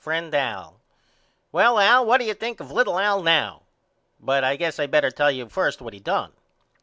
FRIEND AL: Well Al what do you think of little Al now? But I guess I better tell you first what he done.